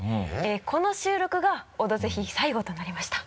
この収録が「オドぜひ」最後となりました。